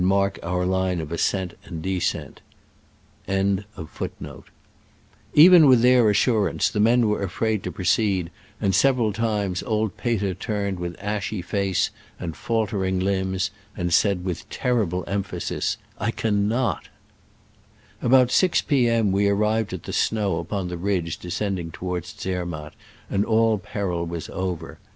* Even with their assurance the men were afraid to proceed, and several times old Peter turned with ashy face and faltering limbs, and said with ter rible emphasis, ''I cannot f About 6 p. M. we arrived at the snow upon the ridge descending toward Zer matt, and all peril was over.